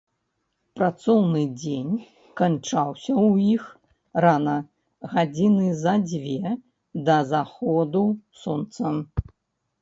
Працоўны дзень канчаўся ў іх рана, гадзіны за дзве да заходу сонца.